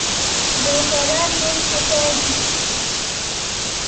د هوښیارانو دوست هوښیار وي .